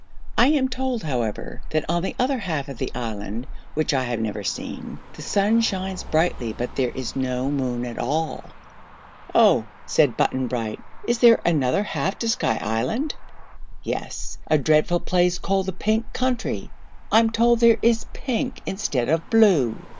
I am told, however, that on the other half of the Island which I have never seen the sun shines brightly but there is no moon at all." "Oh," said Button Bright; "is there another half to Sky Island?" "Yes; a dreadful place called the Pink Country. I'm told everything there is pink instead of blue.